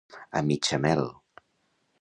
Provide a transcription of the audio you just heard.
A mitja mel.